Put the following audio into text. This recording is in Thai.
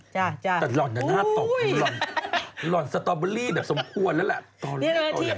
แต่หล่อนจะหน้าตกหล่อนสตรอเบอร์รี่แบบสมควรแล้วแหละ